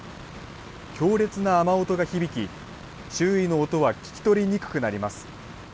強烈な雨音が響き、周囲の音は聞き取りにくくなります。